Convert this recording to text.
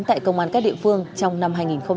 tại công an các địa phương trong năm hai nghìn hai mươi ba